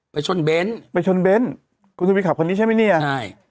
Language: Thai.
ไปชนเบ้นไปชนเบ้นคุณจะไปขับคนนี้ใช่ไหมเนี่ยใช่